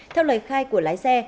theo lời khai của lái xe